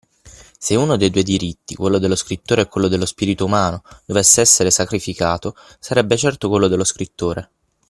Se uno dei due diritti, quello dello scrittore e quello dello spirito umano, dovesse essere sacrificato, sarebbe certo quello dello scrittore.